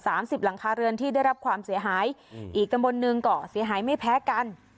สิบหลังคาเรือนที่ได้รับความเสียหายอืมอีกตำบลหนึ่งก็เสียหายไม่แพ้กัน